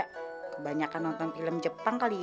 karena kebanyakan nonton film jepang kali ya